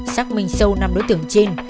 xác minh sâu năm đối tượng trên